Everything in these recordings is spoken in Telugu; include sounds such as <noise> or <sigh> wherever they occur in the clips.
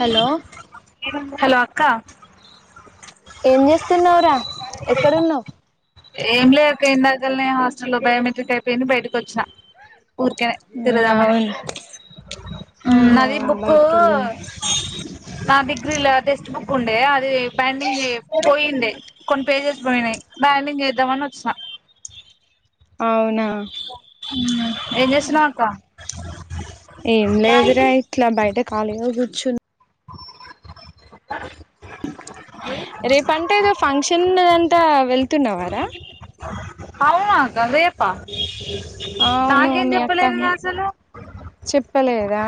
హలో హలో అక్క ఏం చేస్తున్నావురా ఎక్కడున్నావు ఏంలేక ఇందాల కనే ఆస్పట అ బయోమెట్రిక్ అయిపోయింది బయటకు వచ్చినా ఊర్కనే తరుదమణ అవును అది అవునా బుక్ బయటికి వెళ్ళిన నా డిగ్రీల టెక్స్ట్ బుక్ ఉండే అది ప బంగ్ పోయింది కొన్ని పేజెస్ పోయినాయి బ్యాండింగ్ చేద్దామని వచ్చినా అవునా ఏ చేస్తున్నావ్ అక్క ఏంలేదరే యిట్లా బయట ఖాళీగా గుర్చున్న రేపంటే ఏదో ఫంక్షన్ అంతా వెళ్తున్నవారా అవునా కదేపా అవును నాకేం చెప్పలేదు అసలు చపలేదా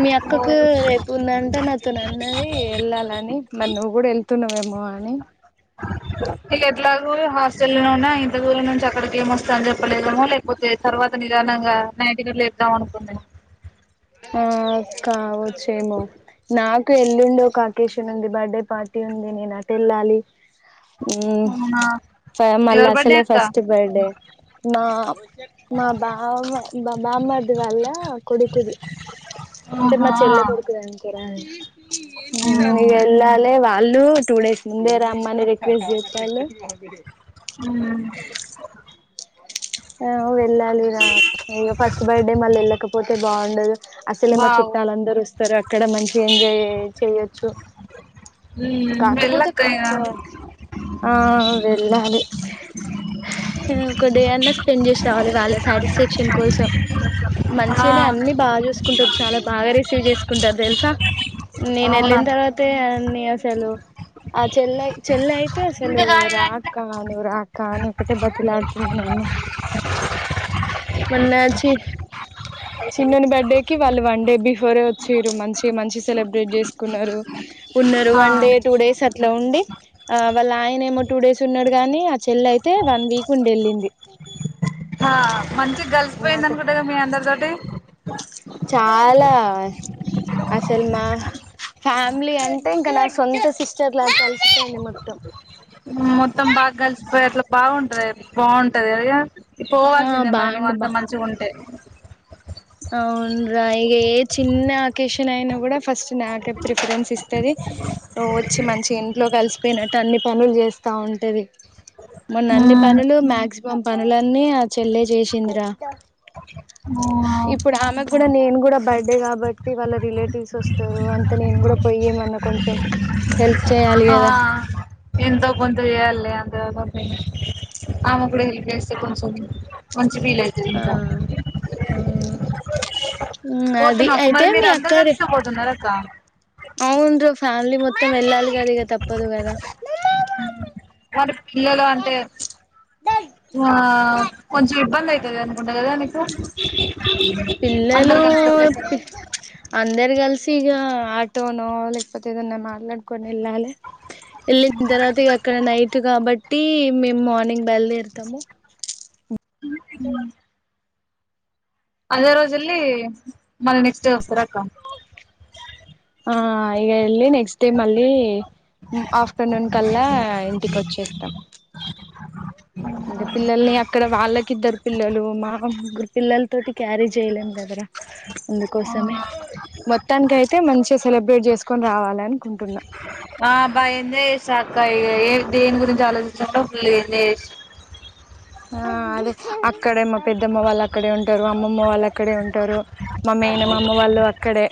మీ అక్కకు రేపు ఉందంటే నాతోను అన్నది ఎల్లాలని మరి నువ్వు కూడా వెళ్తున్నావేమో అని ఇంకా ఎట్లాగ హాస్టల్ నే ఉన్న ఇంత దూరం నుంచి అక్కడికి ఏం వస్తా అని చెప్పలేదేమో లేకపోతే తర్వాత నిదానంగా నైటికిలు లేద్దాం అనుకుంది ఏమో ఆ కావచ్చేమో నాకు ఎల్లుండడి ఒక అకేషన్ ఉంది బర్త్డే పార్టీ ఉంది నేన అటు ఎల్లాలి హ్మ్ అవునా మళ్ళీ ఎవరి బర్డే అసలే అక్క ఫస్ట్ బర్డే నా మా బావ మా బామ్మర్ది వల్ల కొడుకుది ఇంత మా ఆహా చెల్ల కొడుకుద అనికి రా ఉహు మీ ఎలా లేేవా అల్లు టూ డేస్ ముందే రమ్మనే బజ ఆ వెళ్ళాలిరా ఇ ఫస్ట్ బర్త్డే మళ్ళీ వెళ్ళకపోతే బాగుండదు అసల మా వావ్ చుట్టాలుఅందరు వస్తు <unintelligible> అక్కడ మంచి ఎంజాయ్ చేయొచ్చు ఉమ్ కాకపోతే వెళ్ళక్క అక్కడ ఇగ ఒక ఆ వెళ్ళాలి ఒక డే అన్నా స్పెండ్ చేసి రావాలి వాళ్ళ సాటిస్ఫాక్షన్ కోసం ఆ మంచిగానే అన్ని బాగా చూసుకుంటారు చాలా బాగా రిసీవ్ చేసుకుంటారు తెలుసా నేను వెళ్ళిన అవునక్క తర్వాతే నే అసలు ఆ చెల్లా చెల్లాయి తే అసలు ఇంకా కాలేదా రా అక్క? అక్కా నువ్వు రా కానీ ఒకటే బతిలా <unintelligible> మొన్నా చ్చి చిన్నని బర్త్డే కి వాళ్ళు వన్ డే బిఫోరే వచ్చీరు మంచి మంచి సెలబ్రేట్ చేసుకున్నారు ఉన్నరు ఆ వన్ డే టూ డేస్ అ ఇట్లా ఉండి ఆ వాళ్ళ ఆయన ఏమో టూ డేస్ ఉన్నాడు గాని ఆ చెల్లి అయితే వన్ వీక్ ఉండి వెళ్ళింది. ఆ మంచిగా కలిసిపోయింది మాతో అనుకుంట కదా మీ అందరితోటి చాలా అసలు మా ఫ్యా మిలీ అంటే ఇంకా నా సొంత సిస్ మొత్తం బాగా కలిసిపోయిర్లు బాగుంటది బాగుంటదదిగ ఆ పోవాల్సిందే మరి నువ్వు బాగుండు అంత బా మంచిగుంటే అవునురా ఇగ ఏ చిన్న అకేషన్ అయినా కూడా ఫస్ట్ నాకే ప్రిఫరెన్స్ ఇస్తది, ఓ వచ్చి మంచిగ ఇంట్లో కలిసిపోయినట్టు అన్ని పనులు చేస్తా ఉంటది. మొన్న అన్నీ ఉమ్ పనులు మ్యాగ్జి మం పనులన్నీ ఆ చెల్లె చేసిందిరా ఇప్పుడు ఆమెకు గూడా నేను కూడా బడ్ డే కాబట్టి వాళ్ళ రిలేటివ్స్ వస్తారు అంత నేను కూడా పోయేమన్నా కొంచెం హెల్ప్ చేయాలి కదా. త చేయాల్లే అంత పాపం ఆమెక్కూడా హెల్ప్ చేస్తే కొంచెం మంచిదిలేదు ఇంకా ఆ అవును అది పోతున్నావ అక్క అయితే మరి మీరు మీ అందరు కలిసే పోతున్నార అక్క అవునురా ఫ్యామిలీ మొత్తం వెళ్ళాలి కద ఇగ తప్పదు కదా ఆ మరి పిల్లలు అంతే ప్చ్ అ కొంచెం ఇబ్బంది అయితది అన్ ఉండ కదా నీకు అందరు కలిసి ఒకేసారి అందర్ కలిసి ఇగ ఆటోనో లేకపోతే ఏదన్న మాట్లాడుకోని వెల్లాలె వెళ్లిన్ తర్వాత ఇగ అక్కడ నై ట్ కాబట్టి మేము మార్నింగ్ బయల్దేరుతాము మ్మ్ హ్మ్ అదే రోజు వెళ్లి మళ్ళీ నెక్స్ట్ డే వస్తార అక్క ఆ ఇగ అల్లి నెక్ నెక్స్ట్ మల్ల తోటి క్యారీ చేయలేం కదరా అందు కోసమే మొత్తానికిక అయితే మంచించి సెలబ్రేట్ చేసుకొని రావాలి అనుకుంటున్నా ఆ బాగా ఎంజాయ్ చేసా అక్క ఇ ఏ దేని గురించి ఆలోచించకుంటో ఫుల్ ఆ అదే అక్కడే మా పెద్దమ్మ వాళ్ళు అక్కడే ఉంటారు అమ్మమ్మ వాళ్ళుక్క అక్కడే ఉంటారు మామ్మ అయిన మా అమ్మ వాళ్ళు అక్కడే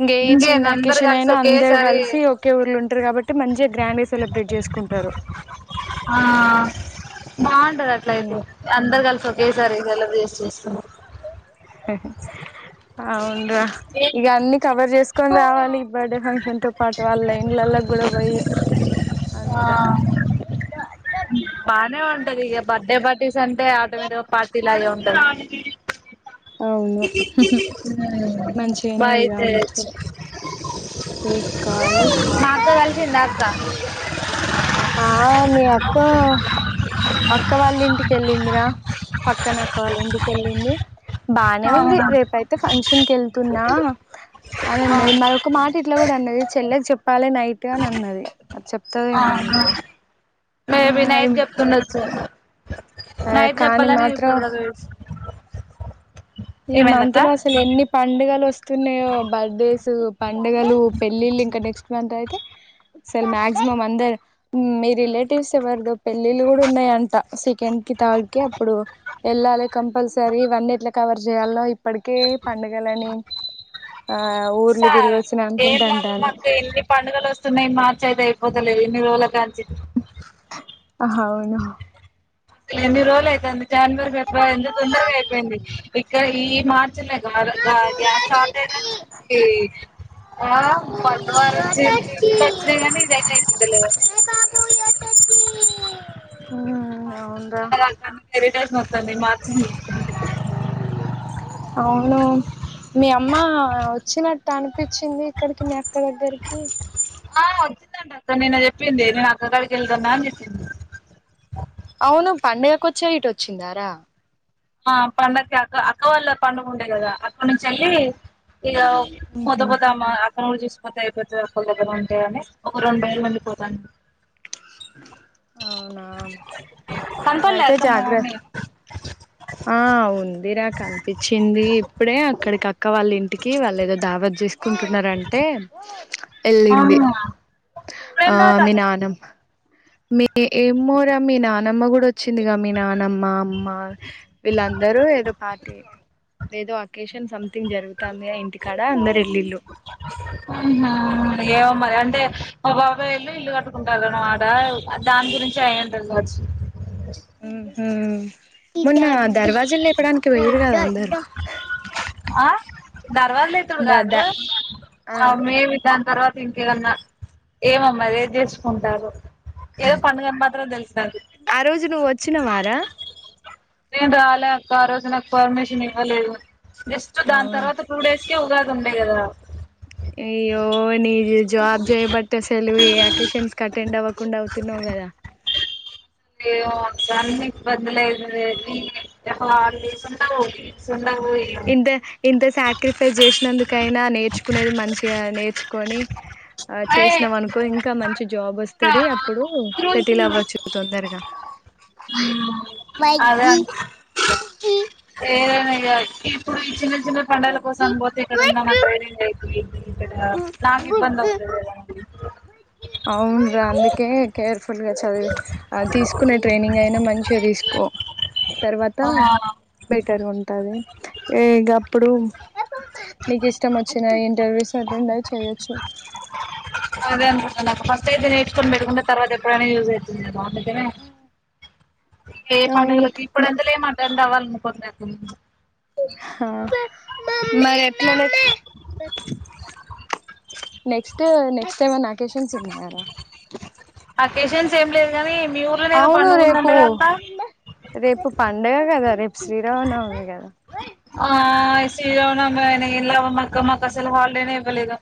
ఇంకే చిన్న ఇంకేంది అందరు కిషన్ కలిసి అయినా అందరు ఒకేసారి కలిసి ఒకే ఊళ్ళు ఉంటారు కాబట్టి మంచిగా గ్రాండ్ సెలబ్రేట్ చేసుకుంటారు ఆ బాగుంటది అట్లయితే అందరు కలిసి ఒకే సారి వ చేస్త <inaudible> అవునురా ఇక అన్ని కవర్ చేసుకొని రావాలి బర్త్డే ఫంక్షన్ తో పాటు వాళ్ళ ఇంలలో కూడా పోయి అంత ఆ బానే ఉంటది ఇక ఇలాగే ఉంటది అవును మంచిగానే బాగా ఈగ అయితే తీసుకోవాలి మా అక్క కలిసిందా అక్క ఆ మీ అక్క అక్క వాళ్ళ ఇంటికి వెళ్ళిందిరా పక్కన అక్క వల్ల ఇంటికి వెళ్ళింది బాగానే ఉంది అవునా రేపు అయితే ఫంక్షన్ వెళ్తున్న అని ఆ అన్నది మరి ఒక మాట ఇట్లా కూడా అన్నది చెల్లే కి చెపు ప్పాలే నైట్గా అని అన్నది అది చెప్తదేమో ఆహా నీకు మేబీ అ నైట్ చెప్తుండొచ్చు నైట్ చేపలే <inaudible> ఈ మంత్ లో అసలు ఎన్ని పండుగలు వస్తున్నాయో బర్త్డేస్ పండుగలు పెళ్ళిళ్ళు ఇంకా నెక్స్ట్ అంత అయితే సార్ మాక్సిమం అందరు మీ రిలేటివ్స్ ఎవరు పెళ్ళిళ్ళ కూడా ఉన్నాయంట సెకండ్ కి థర్డ్ కి అప్పుడు వెళ్ళాలి కంపల్సరీ అన్నీట్ కవర్ చేయాలో ఇప్పటికే పండగలుని ఏం లాల అంటాను మాకు ఎన్ని పండుగలు వస్తున్నాయి మార్చద పోతలేదు ఇన్ని రోజుల కంచి ఆహా అవును ఎన్ని రోజులు అవుతుంది జనవరి ఫిబ్రవరీ ఎంత తొందరగా అయిపోయింది ఇక్క ఈ మార్చి యి గ్యాస్ షార్టేజ్ వచ్చింది ఆ వంద వారు వచ్చింది ఇం వచ్చినాయి కానీ ఇదిగ అయిపోతులేదుస అవున్రా <inaudible> విలేజ్ మొత్తాన్ని నాశనం చే <unintelligible> సి పొండిగా అవును మీ అమ్మ వచ్చినట్టు అనిపించింది ఇక్కడికి మా అక్క దగ్గరికి ఆ వచ్చిందండి అక్క నిన్న చెప్పింది నేను అక్క కాడికి వెళ్తున్నా అని చెప్పింది అవును పండగకు వచ్చే ఇటు వచ్చిందా రా ఆ పండక్కి అక్క అక్క వాళ్ళ పండుగ ఉండే కదా అక్కనుంచి ఎళ్లి ఇక పద ఉహు పద మ అక్క వాళ్ళు చూసిపోతే అయిపోతది ఒకల దగ్గర ఉంటే అని ఒక రెండు ఏళ్ళు ఉండి పోతాండ అవునా నువ్వు కనపడలే అయితే అక్క మా జాగ్రత్త మమ్మీ ఆ వుందిరా ఆ కనిపి వచ్చింది ఇప్పుడే అక్కడికి అక్ అక్క వాళ్ళ ఇంటికి వాళ్ళు ఏదో దావత్ చేస్ కుంటున్నారంటే వెళ్ళింది అవునా ఆ ఇప్పుడేం మీ తాగుతారు నాన్నం మీ ఏమోరా మీ నానమ్మ కూడా వచ్చిందిగా మీ నానమ్మ అమ్మ వీళ్ళందరూ ఏదో పార్టీ ఏదో వెకేషన్ సంథింగ్ జరుగుతుంది ఆ ఇంటికాడ అందరు వెల్లిళ్ళు ఆహా ఏమో మరి అంటే మా బాబాయి వాళ్ళు ఇల్లు కట్టుకుంటారు కదా ఆడ దాని గురించి అయ్యుంటాది కావచ్చు ఉహు మొన్న దర్వాజులు లేపడానికి పోయిర్రు కద అందరు అ దర్వాజులెత్తుడు ద కాదు ద మే ఆ అమ్మెవి దాని తర్వాత ఇంకేమన్నా ఏమమ్మ ఏది చేసుకుంటారొ ఏదో పండగని మాత్రం తెలుసు నాకి వచ్చినవా రా నేను రాలే అక్క ఆరోజు నాకు పర్మిషన్ ఇవ్వలేదు జస్ట్ దాని అవును తర్వాత టూ డేస్ ఇంకే ఉగాది ఉండే కదా అయ్యో నిది జాబ్ జయ బట్టే సర్ నువ్వే ఏ ఆకేషన్స్ కీ అటెండ్ అవ్వకుండా అవుతున్నావు కదా ఏమె అక్క ఇబ్బంది లేదు లే గాని <inaudible> ఇంత ఇంత సాక్రిఫైస్ చేసినందుకైనా నేర్చుకునేది మంచిగా నేర్చుకొని ఆ చేసినాం అనుకో ఇంకా మంచి జాబ్ వస్తుంది అప్పుడు సెటిల్ అవ్వచ్చు తొందరగా మ్మ్ అదంత్ ఏమి ఇప్పుడు పిలిచిన ఇంకా పండగల కోసం పోతే ఇక్కడ ఉండన అ <inaudible> నాకు ఇబ్బందవుతది కదా అ అవునురా అందుకే కేర్ఫుల్ గా చదివి ఆ తీసుకునే ట్రైనింగ్ అయినా మంచిగా తీస్ ఓ తర్వాత ఆ బెట్ ర్ ఉంటది ఇ గప్పుడు మీకు ఇష్టం వచ్చిన ఇంటర్వ్యూస్ చదివిందే చేయచ్చు నాకు ఫస్ట అయితే నేర్చుకుని పెట్టుకుంటె తర్వాత ఎప్పుడైనా యూజ్ అయితుంది కదా నిజమే ఏ పండుగలకీ అవును ఇప్పుడంతల ఏం అద్ అవ్వాలనుకుంట లే అక్క హ మరి ఎట్ల నెక్స్ట్ నెక్స్ట్ నెక్స్ట్ టైమన్నా అకేషన్ ఉన్నాయరా స్ ఏమ్ లేవు కానీ అవును రేపు రేపు పండుగ కదా రేపు శ్రీరామనవమి కదా శ్రీరామ నవమి అయిన ఏం లాభమక్క మాకసలు హల్డేనే ఇవ్వలేదు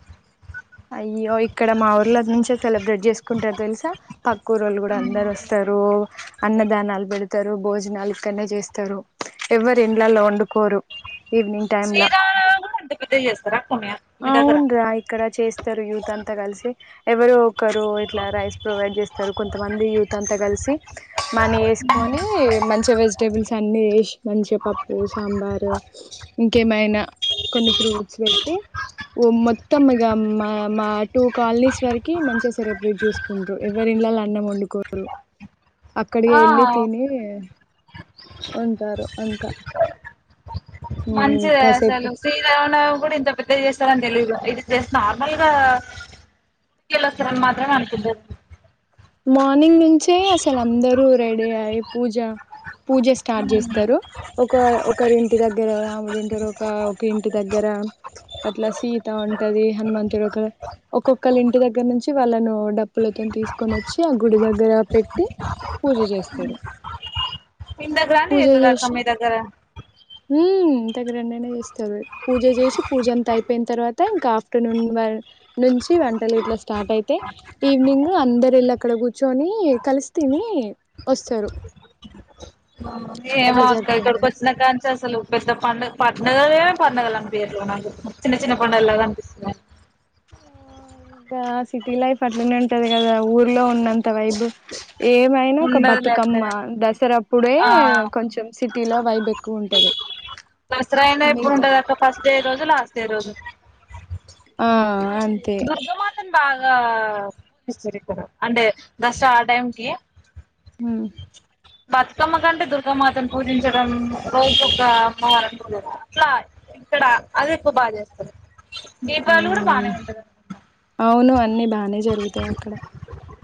అయ్యో ఇక్కడ మా ఊర్ల నుంచి సెలబ్రేట్ చేసుకుంటారు తెలుసా పక్కు ఊరోళ్ళు కూడా అందరు వస్తారు అన్నదానాలు పెడతారు భోజనాలు ఇక్కడనే చేస్తారు ఎవరు ఇండ్లలో వండుకోరు ఈవినింగ్ టైమ్ లా శ్రీరామ నవమి కూడా అంత పెద్ద చేస్తారా అక్క మీ దగ్గర అవును రా ఇక్కడ చేస్తారు యూత్ అంతా కలిసి ఎవరు ఒకరు ఇట్లా రైస్ ప్రొవైడ్ చేస్తారు కొంతమంది యూత్ అంతా కలిసి మనీ వేసుకొని మంచిగ వెజిటేబుల్స్ అన్ని వేసి మంచిగా పప్పు సాంబారు ఇంకేమైనా కొన్ని ఫ్రూట్స్ పెట్టి ఊరు మొత్తం ఇగ మా మా టూ కాలనీస్ వరకి మంచిగా సెలబ్రేట్ చేసుకుంటారు ఎవరి ఇళ్ళలో అన్నం వండుకోరు అక్కడే ఆ ఎల్లి తిని ఉంటారు అంత మంచిదే అసలు శ్రీరామనవమి కూడా ఇంత పెద్దగ చేస్తారని తెలియ ఇది జస్ట్ నార్మల్ గా చేస్తారని మాత్రమే అనుకుంటన మ మార్నింగ్ నుంచే అసలు అందరూ రెడీ అయ్ పూజ పూజ స్టార్ట్ చేస్తారు ఒక ఒకరి ఇంటి దగ్గర రాముడు ఉంటాడు ఒక ఒక ఇంటి దగ్గర అట్లా సీత ఉంటది హనుమంతుడు ఒక ఒక్కొక్కల్లింటి ఇంటి దగ్గర నుంచి వాళ్ళను డబ్ప్పులతోతీ క్కొని వచ్చి ఆ గుడి దగ్గర పెట్టి పూజ చేస్తారు ఇంత గ్రాండ్ పూజ చేతదా అక్క చేసి మీ దగ్గర ఉమ్ ర గ్రాండ్ గ నే చేస్తారు పూజ చేసి పూజ అంత అయిపోయిన తర్వాత ఇంకా ఆఫ్టర్నూన్ నుంచి వంటలు ఇట్లా స్టార్ట్ అయితాయి ఈవినింగ్ అందరు వెళ్ళక్కడ కూర్చొని, కలిసి తిని వస్తరు. ఏమో అక్క ఇక్కడికి వచ్చినా కాంచసలు పెద్ద పండగ పన్ డగయేం పండగలంపియట్లె నాకు చిన్న చిన్న పండగల్లాగ అన్నిపిస్తున్ ఇగా సిటీ లైఫ్ అట్లానే ఉంటది కదా, ఊర్లో ఉన్నంత్ త వైబ్ ఏమైనా ఒక ఉండదులే అక్క బతుకమ్మ దసరా అప్పుడే ఆ కొంచెం సిటీలో వైబెక్కుఉంటది. దసరా అయినా ఎప్పుడు మిగతా ఉంటది అక్క ఫస్ట్ డే రోజు లాస్ట్ డే రోజు ఆ అంతే అన్ బాగా పూజిస్తరిక్కడ, అంటే దసరా ఆ టైంకి హ్మ్ బతుకమ్మ కంటే దుర్గామాతను పూజించడం రోజు ఒక్క అమ్మవారట్ల, అట్లా ఇక్కడ అదేక్కువ బాగ చేస్తరు. హ్మ్ అవును అన్ని బానే జరుగుతయక్కడ.